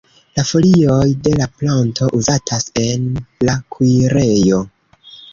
La folioj de la planto uzatas en la kuirejo.